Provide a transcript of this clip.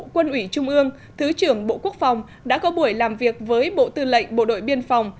quân ủy trung ương thứ trưởng bộ quốc phòng đã có buổi làm việc với bộ tư lệnh bộ đội biên phòng